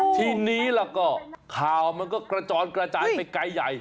ทีนี้ล่ะก็ข่าวมันก็กระจอนกระจายไปไกลใหญ่